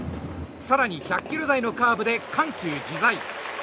更に１００キロ台のカーブで緩急自在。